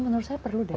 menurut saya perlu deh